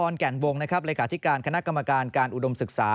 นอแก่นวงรายการที่การคณะกรรมการการอุดมศึกษา